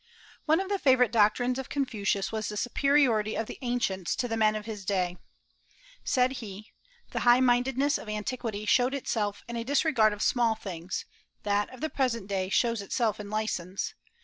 One of the favorite doctrines of Confucius was the superiority of the ancients to the men of his day. Said he: "The high mindedness of antiquity showed itself in a disregard of small things; that of the present day shows itself in license.